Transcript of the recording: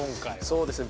そうですね。